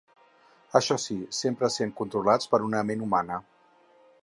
Això sí, sempre essent controlats per una ment humana.